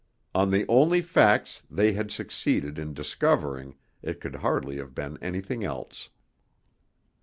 On the only facts they had succeeded in discovering it could hardly have been anything else.